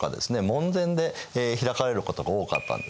門前で開かれることが多かったんですね。